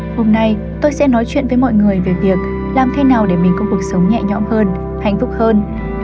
hôm nay tôi sẽ nói chuyện với mọi người về việc làm thế nào để mình có cuộc sống nhẹ nhõm hơn hạnh phúc hơn